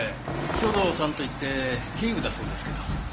兵藤さんといって警部だそうですけど。